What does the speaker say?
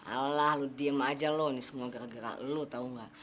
alah lo diem aja lo ini semua gara gara lo tau nggak